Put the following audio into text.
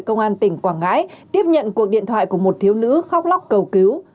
công an tỉnh quảng ngãi tiếp nhận cuộc điện thoại của một thiếu nữ khóc lóc cầu cứu